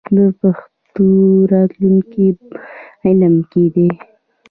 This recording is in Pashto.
د پښتو راتلونکی په علم کې دی.